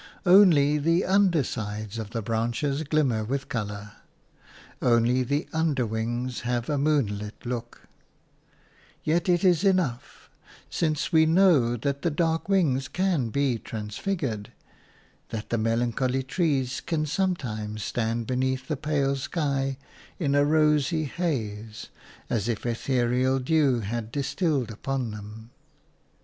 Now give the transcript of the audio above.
Only the undersides of the branches glimmer with colour, only the underwings have a moonlit look; yet it is enough, since we know that the dark wings can be transfigured, that the melancholy trees can sometimes stand beneath the pale sky in a rosy haze, as if ethereal dew had distilled upon them.